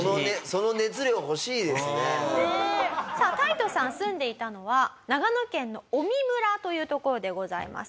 さあタイトさん住んでいたのは長野県の麻績村という所でございます。